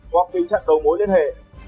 hoặc tình trạng đầu mối liên hệ